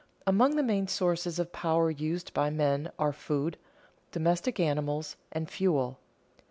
_Among the main sources of power used by men are food, domestic animals, and fuel.